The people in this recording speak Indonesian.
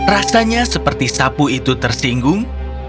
rasanya seperti sapu itu tersinggung